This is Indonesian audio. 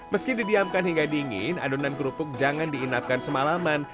meski didiamkan hingga dingin adonan kerupuk jangan diinapkan semalaman